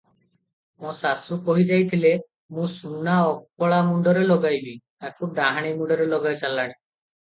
ମୋ ଶାଶୁ କହି ଯାଇଥିଲେ, ମୁଁ ସୁନା ଅଳକା ମୁଣ୍ଡରେ ଲଗାଇବି, ତାକୁ ଡାହାଣୀ ମୁଣ୍ଡରେ ଲଗାଇ ସାରିଲାଣି?